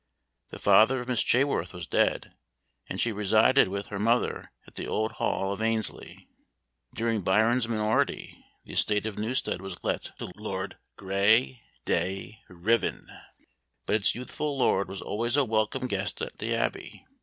The father of Miss Chaworth was dead, and she resided with her mother at the old Hall of Annesley. During Byron's minority, the estate of Newstead was let to Lord Grey de Ruthen, but its youthful Lord was always a welcome guest at the Abbey.